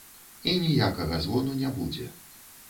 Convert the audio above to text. І ніякага звону не будзе.